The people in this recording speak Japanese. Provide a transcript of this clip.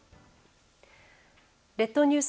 列島ニュース